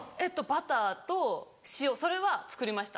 バターと塩それは作りました